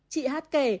chị hát kể